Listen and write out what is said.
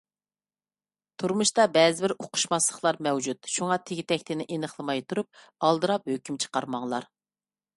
تۇرمۇشتا بەزىبىر ئۇقۇشماسلىقلار مەۋجۇت، شۇڭا تېگى-تەكتىنى ئېنىقلىماي تۇرۇپ ئالدىراپ ھۆكۈم چىقارماڭلار.